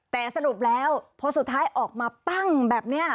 แต่สรุปแล้วพอสุดท้ายออกมาปั้งแบบนี้